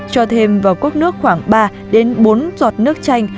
cho thêm vào cốt nước khoảng ba đến bốn giọt nước chanh